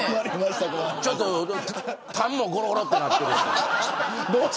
ちょっと、たんもゴロゴロって鳴ってます。